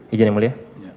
ijin yang mulia